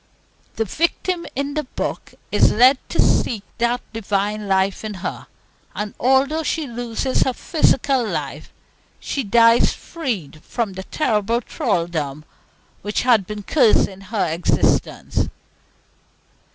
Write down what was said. The victim in the book is led to seek that Divine Life in her, and although she loses her physical life, she dies freed from the terrible thraldom which has been cursing her existence.